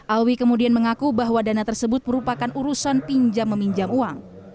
alwi kemudian mengaku bahwa dana tersebut merupakan urusan pinjam meminjam uang